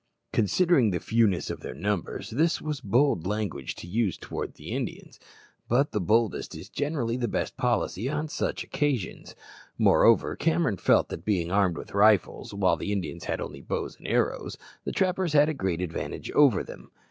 Considering the fewness of their numbers, this was bold language to use towards the Indians; but the boldest is generally the best policy on such occasions. Moreover, Cameron felt that, being armed with rifles, while the Indians had only bows and arrows, the trappers had a great advantage over them.